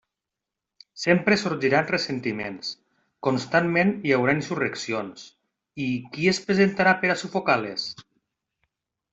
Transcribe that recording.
Sempre sorgiran ressentiments; constantment hi haurà insurreccions; i ¿qui es presentarà per a sufocar-les?